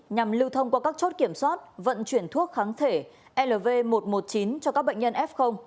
nhằm lưu thông qua các chốt kiểm soát vận chuyển thuốc kháng thể lv một trăm một mươi chín cho các bệnh nhân f